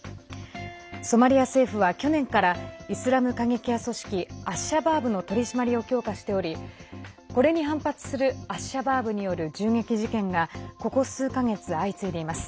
ソマリア政府は去年から、イスラム過激派組織アッシャバーブの取り締まりを強化しておりこれに反発するアッシャバーブによる銃撃事件がここ数か月、相次いでいます。